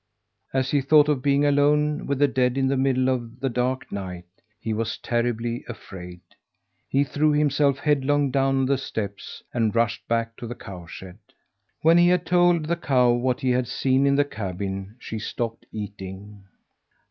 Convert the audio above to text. As he thought of being alone with the dead in the middle of the dark night, he was terribly afraid. He threw himself headlong down the steps, and rushed back to the cowshed. When he told the cow what he had seen in the cabin, she stopped eating.